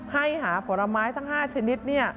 ให้หาผลไม้ทั้ง๕ชนิด